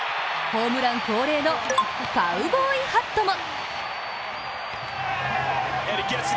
ホームラン恒例のカウボーイハットも。